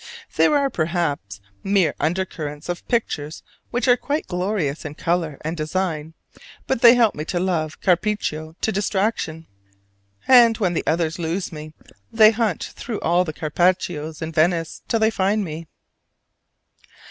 These are, perhaps, mere undercurrents of pictures which are quite glorious in color and design, but they help me to love Carpaccio to distraction; and when the others lose me, they hunt through all the Carpaccios in Venice till they find me!